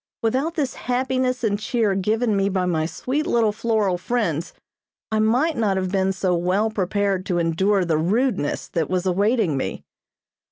Without this happiness and cheer given me by my sweet little floral friends I might not have been so well prepared to endure the rudeness that was awaiting me.